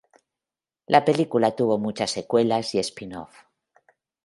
La película tuvo muchas secuelas y spin-offs.